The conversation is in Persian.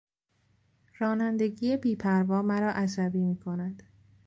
رانندگی بی پروا مرا عصبی میکند.